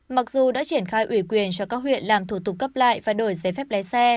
mặc dù đã triển khai ủy quyền cho các huyện làm thủ tục cấp lại và đổi giấy phép lái xe